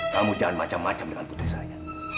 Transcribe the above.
kamu jangan macam macam dengan putri saya